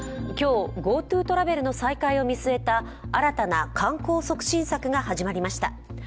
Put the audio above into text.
今日、ＧｏＴｏトラベルの再開を見据えた、新たな観光促進策が始まりました。